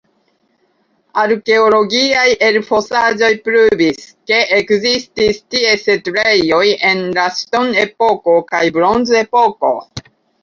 Arkeologiaj elfosaĵoj pruvis, ke ekzistis tie setlejoj en la ŝtonepoko kaj bronzepoko.